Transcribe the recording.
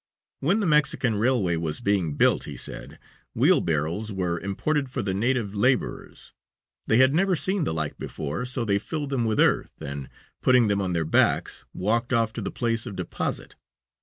"When the Mexican Railway was being built," he said, "wheelbarrows were imported for the native laborers. They had never seen the like before, so they filled them with earth, and, putting them on their backs, walked off to the place of deposit.